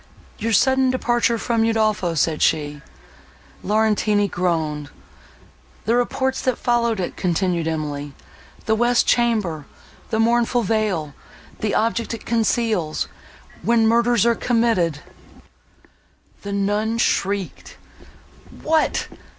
"Your sudden departure from Udolpho"—said she. Laurentini groaned. "The reports that followed it," continued Emily—"The west chamber—the mournful veil—the object it conceals!—when murders are committed—" The nun shrieked. "What!